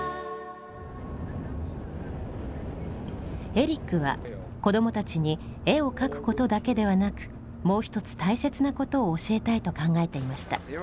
エリックは子どもたちに絵を描くことだけではなくもう一つ大切なことを教えたいと考えていました。